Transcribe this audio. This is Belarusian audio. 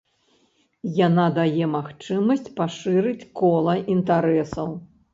Яна дае магчымасць пашырыць кола інтарэсаў.